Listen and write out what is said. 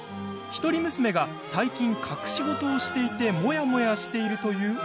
一人娘が最近、隠し事をしていてモヤモヤしているというお悩み。